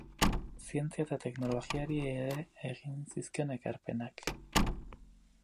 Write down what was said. Zientzia eta teknologiari ere egin zizkion ekarpenak.